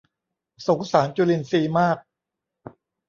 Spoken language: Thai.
สงสารจุลินทรีย์มาก